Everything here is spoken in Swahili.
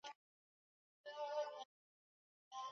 Nilikula sima na samaki